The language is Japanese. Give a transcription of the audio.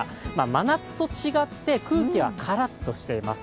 真夏と違って空気はカラッとしています。